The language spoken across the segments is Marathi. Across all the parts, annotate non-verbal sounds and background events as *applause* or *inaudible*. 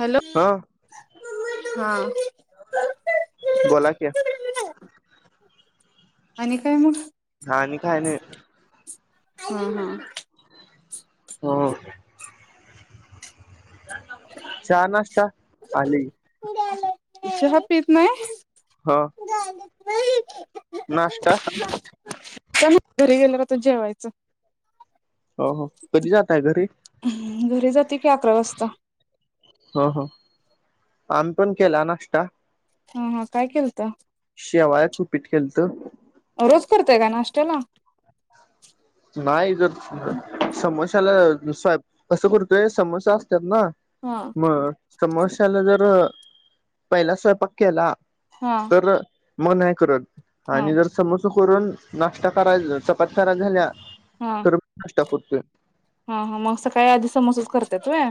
हॅलो हा हा! बोला की आणि काय मग. आणि काय नाही. हा हा. हो. चाहा नाष्टा आली *unintelligible* चहा पीत नाहीस हा. हो *unintelligible* नाष्टा त्या घरी गेल्यावरती जेवायचं हो हो कधी जाताय घरी घरी जाते कि आकरा वाजता हा हा आम्ही पण केला नाष्टा ह हा काय केलत शेवाळ्याच उपीट केलत रोज करतोय काय नाष्ट्याला नाही जर समोसे त्याला स्य कसं करतोय समोसा असत्यात ना हा म समोस्याला जर बघ पहिला स्वयंपाक केला. हा तर म नाही करत हा आणि जर समज करून नाष्टा कराय चपात्या कराय झाल्या हा. च करतोय हा हा मग सकाळी आधी समोसेच करत त्यात होय.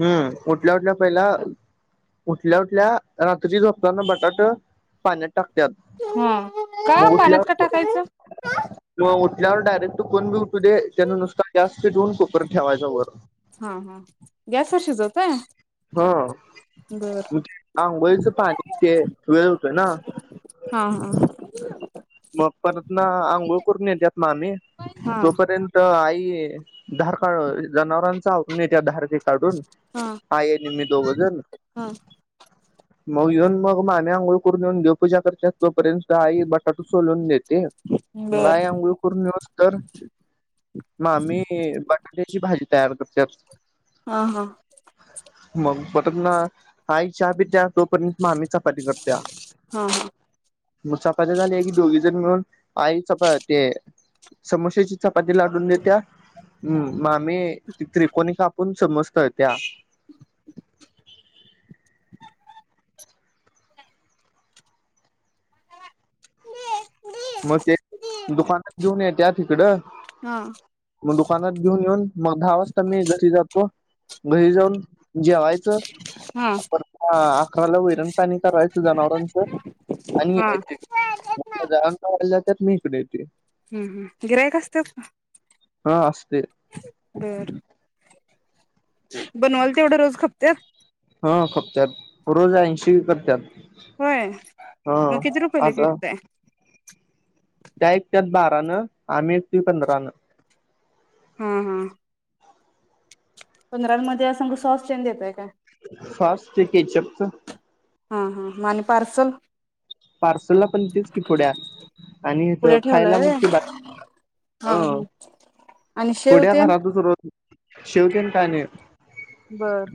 हम्म उठल्या उठल्या पहिला उठल्या उठल्या रात्री झोपतान बटाट पाण्यात टाकत्यात हा का मग पाण्यात का ठल्यावर टाकायचं? म उट त्यावर डायरेक्ट कोण बी तु दे येन नुसता गॅस पेटवुन कुकर ठेवायचा वर हा हा गॅस वर शिजवताय हा बर. आंघोळीचं पाणी ते वेळ होतोय ना हा हा पप्पाच न आंघोळ करून येत्यात मामी हा तोपर्यंत आई ती धार का, जनावरांच आवरुन येत्या धार ते काडून हा आई आणि मी दोघजन हा मग यून मग मामी आंघोळ करून यून देव पूजा करत्यात. तोपर्यंत आई बक सोलून देते, म बर आय आंगुळ करून युसतर मामी बटाट्याची भा भाजी तयार करत्यात. हा हा. मग परतन आई चहा पीत्या. तोपर्यंत मामी चपाती करत्या. हा म चपा *unintelligible* झाल्या की दोघी जण मिळून, आई चपा ते समोस्याची चपाती लाटून देत्या, म मामी त्रिकोणी कापून समोस तळत्या. दे. म ते दुकानात घिऊन येत्यात हिकडं हा हा मग दु कानात घिऊन यून मग दहा वाजता मी घरी जातो घरी जाऊन जेवायचं, हा परतन आखराला वैरण पाणी करायचं जनावरांच आणि *unintelligible* हा *unintelligible* जात्यात मी हिकड येतोय. हम्म हम् गिरायक असत्यात का? हा असते. बर, बनवाल तेवड रोज खपत्यात? ह खपत्यात, रोज ऐंशी करत्यात. होय, हा मग किती रुपयला एक आता विकताय? *inaudible* त्या इकत्यात बा रानं, आम्ही विकतुय पंधरानं हा हा. पंधरांमध्ये तेयासंग सॉस तेन देताय काय? सॉस ते केचअपच हा हा म आणि पार्सल पार्सलला पण तेच की पुड्या आणि हित पुढे खायला ठेवलाय मग व्हय ते बा *unintelligible* हा हं हा आणि शेव पुड्या तेन घरातच रोज शेव तेन काय नई. बर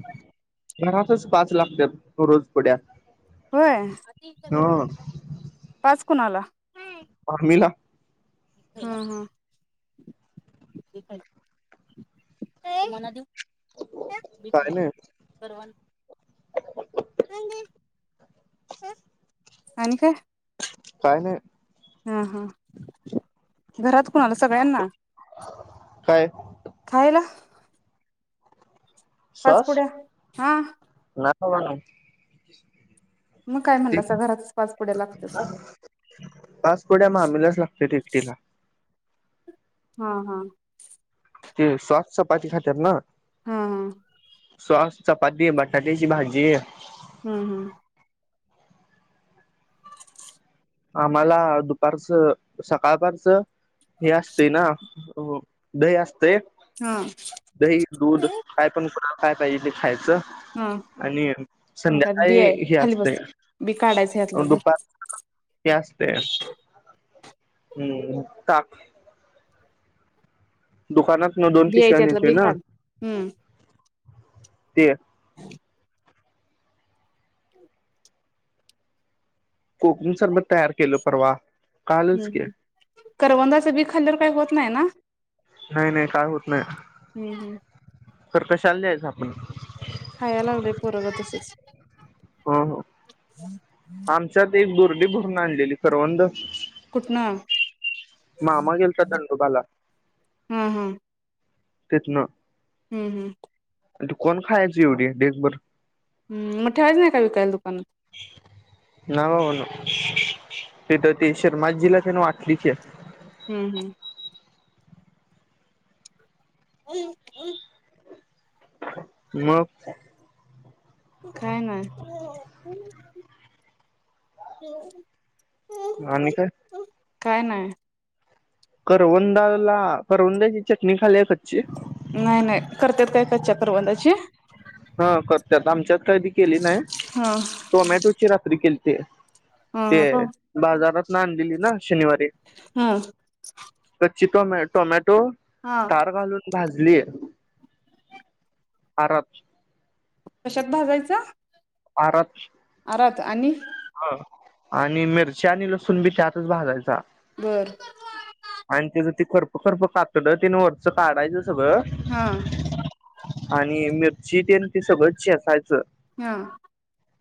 घरातच पाच लागत्यात रोज पुड्या होय, ह पाच कुणाला? आम्हीला हा हा *unintelligible* तुमांना दिऊ काय नाही *unintelligible* आणि काय? काय नाही. हा हा घरात कोणाला सगळ्यांना काय खायला. पाच पुुड्या, हा. हो ना. मग काय म्हणलासा घरातच पाच पुड्या लागत्यात *inaudible* पाचपुड्या मामीलाच लागत्याती. तिला. हा हा ते सॉस चपाती खात्यात ना. हा हा सॉस- चपाती, बटाट्याची भाजी. हं हं आम्हाला दुपारचं, सकाळपारचं, हे असतय ना, हो दही अस तय. ते हा दही -दूध काय पण खा. काय पायजे ते खायचं हा आणि ह्यात बी आहे संध्याकाळी हे खाली असतय, बस बी काढायचं ह्यातला धर दुपार ते असतय हम् ताक. दुकानात दोन बी आहे पिशव्या त्यातला नेतोेय बी ना, काढ हम्म ते कोकुम सरबत तयार केलो परवा कालच हम्म हम्म की. करवंदाचं बी खाल्ल्यावर काही होत नाही ना? नाही नाही काय होत नाही. हम्म हम्म. तर कशाला द्यायचं आपण. खाय लागलेय पोरग तसच. होहो. आमच्यात एक बुर्गी दुरडी भरून आणलेली करवंद. कुठन? मामा गेलता दंडोबाला हम हम तीतन. हम्म हम्म ती कोण खायची एवढी? ढीगभर. हम् मग ठेवायच नाही का विकायला दुकानात? ना बा ना. ते तर ते शर्मा आजीला त्यां *unintelligible* की हम्म हम्म *unintelligible* मग. काय नाय. हो. आणि काय काय नाही. करवंदाला करवंदाची चटणी खाल्या नाही नाही करतेत काय कच्च्या करवंदाची. हा करतात आमच्यात कधी केली नाही हा टोमॅटोची रात्री केली. ते. हा हो. ते बाजारात नाान दिली ना. शनिवारी हा कच्ची टोम्या टोमॅट टोल हा. तार घालून भाज ली आरात कशात भाजायचा? आरात परत आणि, ह आणि मिरची आणि लसूण बी त्यातचं भाजायचा. बर. आणि त्याच तीखर खरप कातड तीन वरचं काढायचसं हा सगल आणि मीर जीटेन ती सगळं ज असायचं. हा.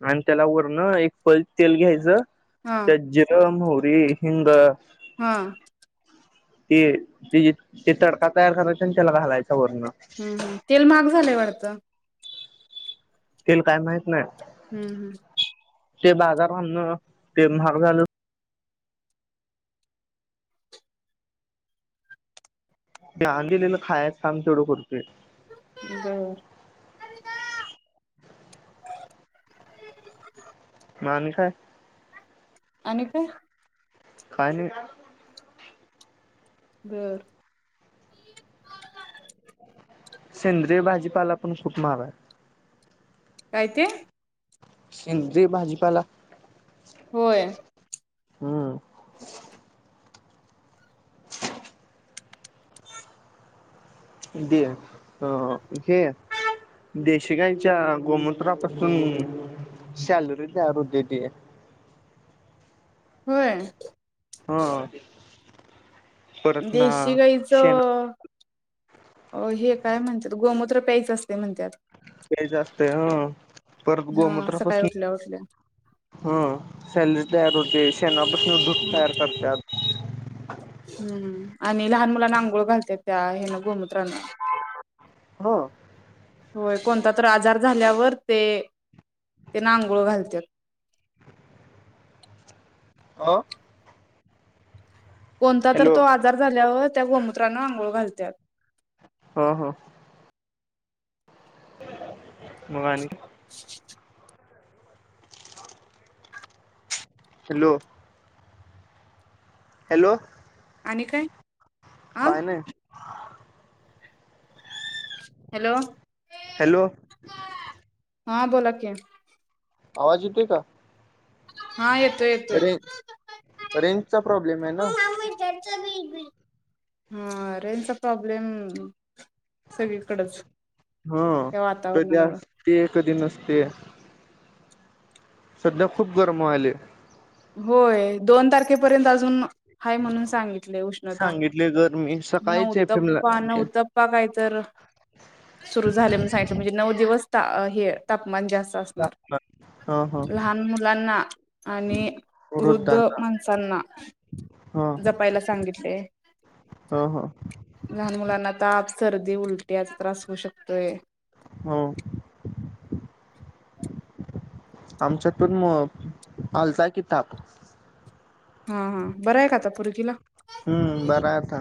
अन तेला वरनं एक पळी तेल घ्यायचं. हा त्या जीरं, मौरी हिंग. हा. ते ते ते तडका तयार करायचं आणि त्याला घालायचं हम् हम तेल महाग झालंय वडतं. तेला काय माहत नाही. हम्म हम्म. ते बाजारण ते म्हाग झााल. लहान दिलेलं खायच काम तेवढं करतोय. बर. म आणी काय? आणी काय? काय नाही. बर. सेंद्रिय भाजीपाला पण खूप महागय. काय ते. सेंद्रिय भाजीपाला होय. हम्म दे हे देशि गाईंच्या गोमुत्रापासून सॅलरी तयार होते. होय हां देशी गाईच अ हे काय म्हणतात गोमूत्र प्यायच असतय म्हणतात. प्यायच असतय हं. परत हा सकाळी उठल्या उठल्या ह्ं *unintelligible* तयार होते शेणा दूध तयार करत्यात. *inaudible* हम्म आणि लहान मुलांना आंघोळ घालत्यात त्या हेन गोमुत्रान. हो होय कोणता तर आजार झाल्यावर ते ते आंगोळ घालत्यात. अ कोणता तर हॅलो तो आजार झाल्यावर त्या गोमूत्रान आंघोळ घालत्यात. ह ह मग आनी हॅलो हॅलो आणि काय आ काय नाय. हॅलो हॅलो हां बोला की आवाज येतुय का? हा येत रें रेंजचा प्रॉब्लेम आहे ना. हा रेंजचा प्रॉब्लेम सगळीकडच. हा या तर त्या वातावरणामुळ ते कधी नसते. सध्या खूप गरम व्हायले. होय दोन तारखेला. तारखेपर्यंत अजुन हाय म्हणून सांगितले उष्णता सांगितले गरमी सकाळीच एफ एम ला नऊतप्पा नऊतप्पा काय तर सुरु झालं म्हणून सांगितले नऊ दिवस. अं हे ताप तापमान जास्त असणार हा हा लहान मुलांना आणि वृद्ध वृद्धांना माणसांना. हा जपायला सांगितले ह ह लहान मुलांना ताप. सर्दी उलटीचा त्रास होऊ शकतोय. हो, आमच्यात पण आलता कि ताप. हा हा बरं आहे का आता पोरगीला. हम्म बरं आता.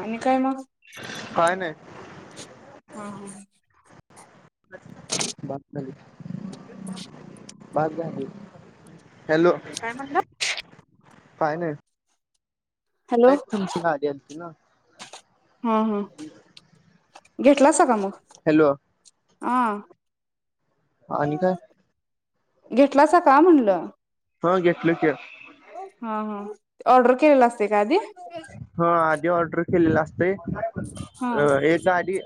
आणि काय मग. काय नाही हा हा हा. *unintelligible* झाली *unintelligible* झाली. हॅलो. काय म्हणला? काय नाय. हॅलो का तुमची गा *unintelligible* आलं ती ना. हम हम. घेतला सा का मग. हॅलो आ. आणि काय. घेतलासा का म्हणलं. हा घेतलो कि. हा हा ऑर्डर केलेलं असते का आधी. हा आधी ऑडर केलेलं असतेय. हा अ ऐकदा आधी.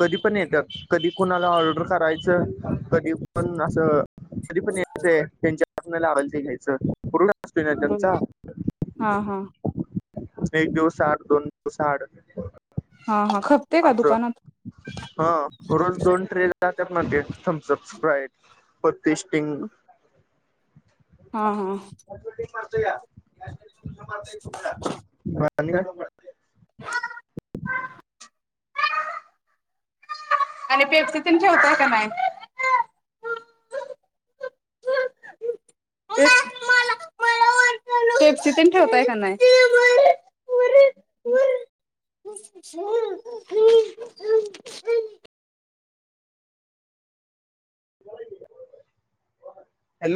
कधी पण येतात कधी कोणाला ऑर्डर करायचं कधी पण असं. कधी पण येत त्यांच्या. आपल्या *unintelligible* ते घ्यायचंय. पूर्ण असतोय ना बघा त्यांचा. हा हा एक दिवस आड दोन दिवस आड. हा हा. खपते का असं दुकानात हा रोज दोन ट्रे. त्या *unintelligible* टेस्टिंग. हा हा. *unintelligible* *unintelligible* आणि काय म आणि पेप्सी तेन ठेवताय का नाय. *unintelligible* पेप्सी तेन ठेवताय का नाय. *unintelligible* हॅलो.